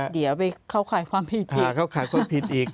เขาขายความผิดอีก